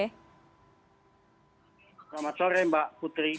selamat sore mbak putri